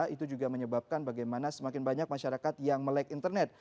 itu juga menyebabkan bagaimana semakin banyak masyarakat yang melek internet